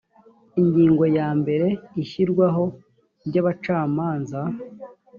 ingingo ya mbere ishyirwaho ry abacamanza